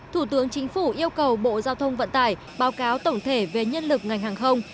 thủ tướng chính phủ yêu cầu bộ giao thông vận tải báo cáo tổng thể về nhân lực ngành hàng không